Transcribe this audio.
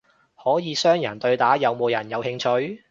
可以雙人對打，有冇人有興趣？